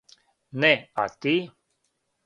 Не а ти?